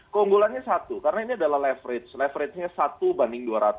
keunggulannya satu karena ini adalah leverage leverage nya satu banding dua ratus